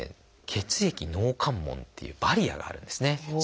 「血液脳関門」っていうバリアがあるんですね。